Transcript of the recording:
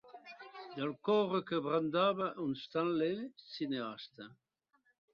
Del coure que brandava un Stanley cineasta.